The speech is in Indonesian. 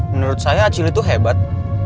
menurut saya acil itu hebat